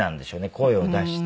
声を出して。